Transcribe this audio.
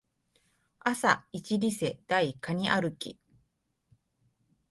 朝イチリセ台カニ歩き